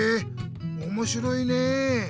おもしろいねえ。